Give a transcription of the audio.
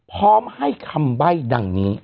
พร้อมให้คำใบ้ดังนี้